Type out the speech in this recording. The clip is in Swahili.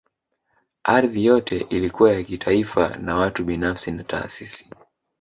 Ardhi yote ilikuwa ya kitaifa na watu binafsi na taasisi